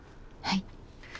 はい。